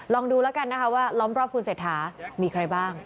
ลองดูแล้วกันว่าล้อมรอบคุณสัยท้ามีใครบ้าง